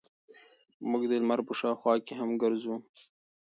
موږ د لمر په شاوخوا کې هم ګرځو.